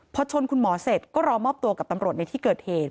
พอชนคุณหมอเสร็จก็รอมอบตัวกับตำรวจในที่เกิดเหตุ